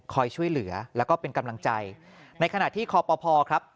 คอยช่วยเหลือแล้วก็เป็นกำลังใจในขณะที่ครอบครัวพอครับ